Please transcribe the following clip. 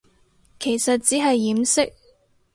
其實只係掩飾